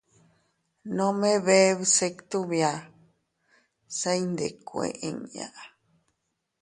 Nome bee bsitu bia, se iyndikkue inña.